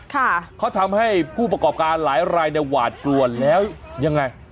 ค่ะเขาทำให้ผู้ประกอบการหลายรายเนี่ยหวาดกลัวแล้วยังไง